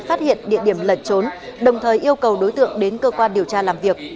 phát hiện địa điểm lẩn trốn đồng thời yêu cầu đối tượng đến cơ quan điều tra làm việc